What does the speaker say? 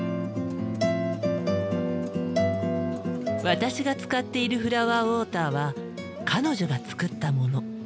私が使っているフラワーウォーターは彼女が作ったもの。